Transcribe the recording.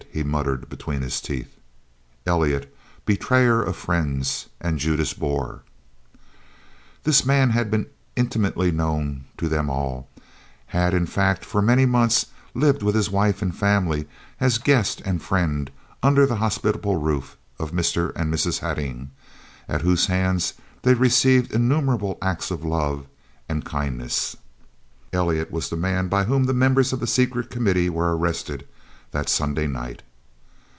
he muttered between his teeth. "Elliot, betrayer of friends, and Judas Boer!" This man had been intimately known to them all, had, in fact, for many months lived with his wife and family, as guest and friend, under the hospitable roof of Mr. and Mrs. Hattingh, at whose hands they received innumerable acts of love and kindness. Elliot was the man by whom the members of the Secret Committee were arrested that Sunday night.